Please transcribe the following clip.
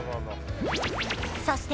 そして